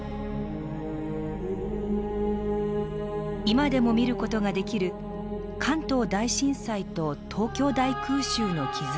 今でも見る事ができる関東大震災と東京大空襲の傷跡。